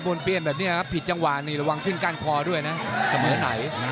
ปวดปิ้นแบบนี้ครับผิดจังหวานระวังถึงกล้านคอด้วยนะเสมอไหน